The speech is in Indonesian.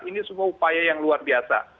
ini semua upaya yang luar biasa